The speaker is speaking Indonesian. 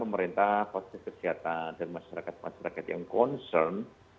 pemerintah fasilitas kesehatan dan masyarakat masyarakat yang concern